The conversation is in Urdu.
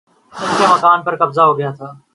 ان کے مکان پر قبضہ ہو گیا تھا